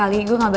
ada yang kaget